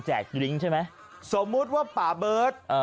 แจกลิ้งใช่มั้ยสมมุติว่าป่าเบิร์ต